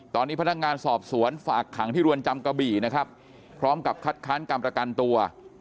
ตอนนี้พนักงานสอบสวนฝากขังที่รวนจำกะบี่นะครับพร้อมกับคัดค้านการประกันตัว